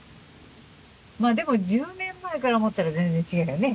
まあでも１０年前から思ったら全然違うよね。